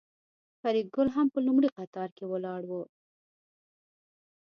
فریدګل هم په لومړي قطار کې ولاړ و